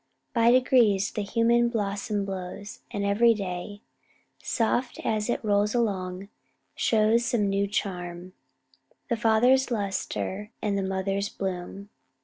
By degrees The human blossom blows, and every day, Soft as it rolls along, shows some new charm, The father's lustre, and the mother's bloom."